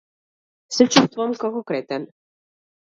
Се чувствувам како кретен.